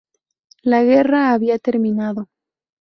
La guerra había terminado.